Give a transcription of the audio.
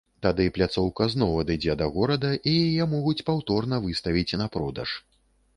Тады пляцоўка зноў адыдзе да горада, і яе могуць паўторна выставіць на продаж.